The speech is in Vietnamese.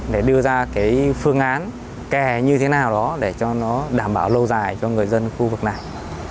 để đưa ra cái phương án kè như thế nào đó để cho nó đảm bảo lâu dài cho người dân khu vực này